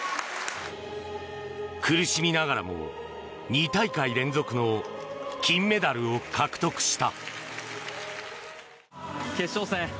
苦しみながらも２大会連続の金メダルを獲得した。